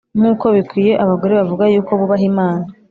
nk’uko bikwiriye abagore bavuga yuko bubaha Imana.